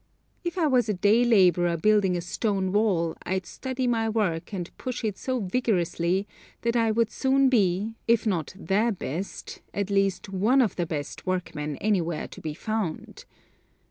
If I was a day laborer building a stone wall I'd study my work and push it so vigorously that I would soon be, if not the best, at least one of the best workmen anywhere to be found.